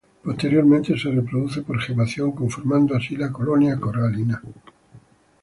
Posteriormente se reproduce por gemación, conformando así la colonia coralina.